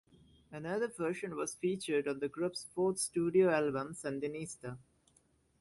Another version was featured on the group's fourth studio album Sandinista!